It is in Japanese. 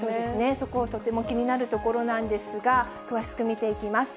そこ、とても気になるところなんですが、詳しく見ていきます。